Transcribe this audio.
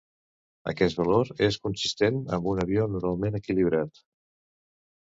Aquest valor és consistent amb un avió normalment equilibrat.